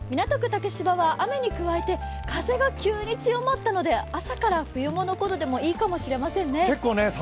竹芝は雨に加えて、風が急に強まったので朝から冬物コートでもいいかもしれませんね。